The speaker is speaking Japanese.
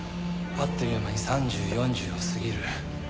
あっという間に３０４０を過ぎる。